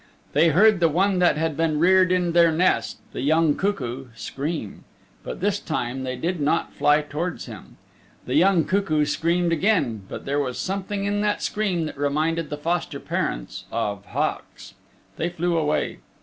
They heard the one that had been reared in their nest, the young cuckoo, scream, but this time they did not fly towards him. The young cuckoo screamed again, but there was something in that scream that reminded the foster parents of hawks. They flew away.